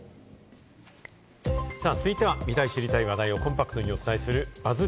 続いては、見たい知りたい話題をコンパクトにお伝えするＢＵＺＺ